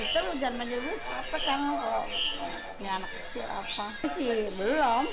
saya banjir segini segini gitu